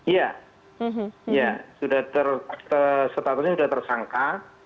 ya statusnya sudah tersangka